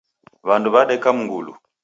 W'andu w'adeka mngulu.